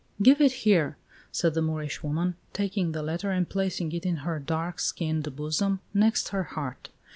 "Give it here!" said the Moorish woman, taking the letter and placing it in her dark skinned bosom, next her heart.